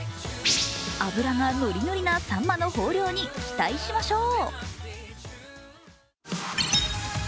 脂がノリノリのさんまの豊漁に期待しましょう。